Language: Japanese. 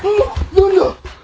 何だ！？